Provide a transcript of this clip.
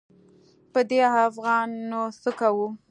په دې افغان نو څه کوو.